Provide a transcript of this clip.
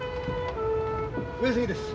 上杉です！